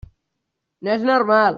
No és normal.